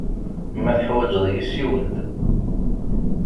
Ma teḥwaǧeḍ-iyi, siwel-d.